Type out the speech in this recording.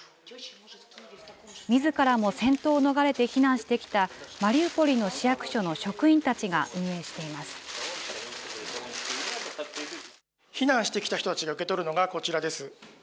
みずからも戦闘を逃れて避難してきたマリウポリの市役所の職員た避難してきた人たちが受け取るのがこちらです。